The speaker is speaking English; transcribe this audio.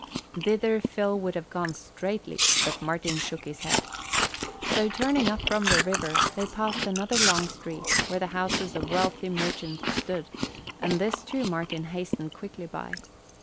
Thither Phil would have gone straightly but Martin shook his head. So turning up from the river, they passed another long street, where the houses of wealthy merchants stood, and this, too, Martin hastened quickly by.